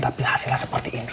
tapi hasilnya seperti ini